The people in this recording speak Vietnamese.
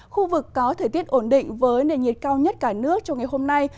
khu vực có thời tiết ổn định với nền nhiệt cao nhất cả nước trong ngày hôm nay